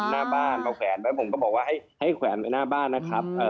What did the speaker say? หน้าบ้านเอาแขวนไว้ผมก็บอกว่าให้แขวนไว้หน้าบ้านนะครับ